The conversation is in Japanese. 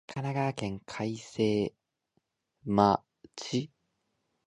神奈川県開成町